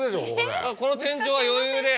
この天井は余裕で。